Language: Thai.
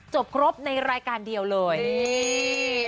ครบในรายการเดียวเลยนี่